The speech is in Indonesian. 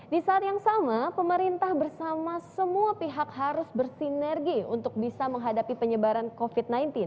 di saat yang sama pemerintah bersama semua pihak harus bersinergi untuk bisa menghadapi penyebaran covid sembilan belas